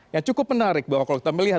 yang cukup menarik bahwa kalau kita melihat